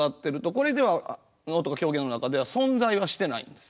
これでは能とか狂言の中では存在はしてないんですよ。